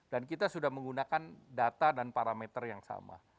dan kita sudah menggunakan data dan parameter yang sama